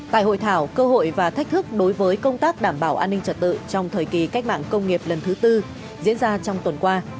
tại hội thảo cơ hội và thách thức đối với công tác đảm bảo an ninh trật tự trong thời kỳ cách mạng công nghiệp lần thứ tư diễn ra trong tuần qua